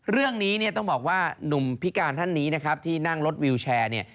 เรื่องนี้เนี่ยต้องบอกว่าหนุ่มพิการท่านนี้นะครับที่นั่งรถวิวแชร์เนี่ย